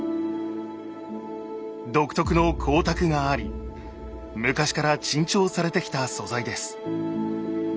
独特の光沢があり昔から珍重されてきた素材です。